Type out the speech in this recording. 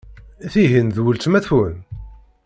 Tihin d weltma-twen?